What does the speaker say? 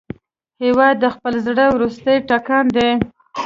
هېواد د خپل زړه وروستی ټکان دی.